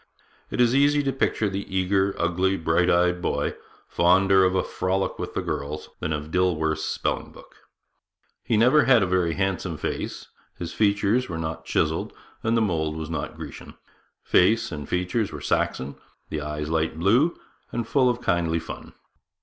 It is easy to picture the eager, ugly, bright eyed boy, fonder of a frolic with the girls than of Dilworth's spelling book. He never had a very handsome face; his features were not chiselled, and the mould was not Grecian. Face and features were Saxon; the eyes light blue, and full of kindly fun.